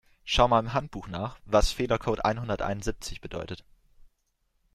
Schau mal im Handbuch nach, was Fehlercode einhunderteinundsiebzig bedeutet.